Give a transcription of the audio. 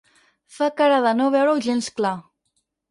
Fa cara de no veure-ho gens clar.